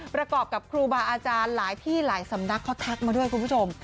ประกอบกับครูบาอาจารย์หลายที่หลายสำนักเขาทักมาด้วยคุณผู้ชม